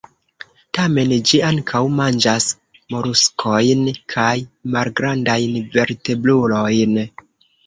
Tamen, ĝi ankaŭ manĝas moluskojn kaj malgrandajn vertebrulojn.